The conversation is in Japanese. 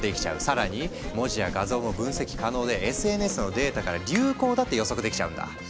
更に文字や画像も分析可能でＳＮＳのデータから流行だって予測できちゃうんだ。